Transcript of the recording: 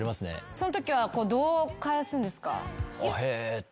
そんときはどう返すんですか？